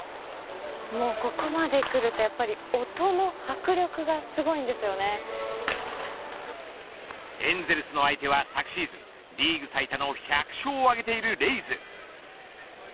ここまで来るとエンゼルスの相手は昨シーズンリーグ最多の１００勝を挙げているレイズ。